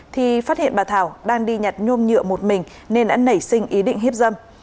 thì phát hiện bà thảo đang đi nhặt nhôm nhựa một mình nên đã nảy sinh ý định hiếp dâm